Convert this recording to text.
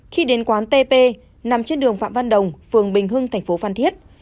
khi đến quán tp nằm trên đường phạm văn đồng phường bình hưng thành phố phan thiết